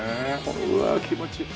うわあ気持ちいい。